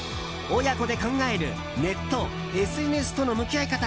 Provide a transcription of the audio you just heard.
親子で考えるネット・ＳＮＳとの向き合い方。